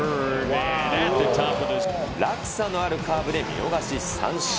落差のあるカーブで見逃し三振。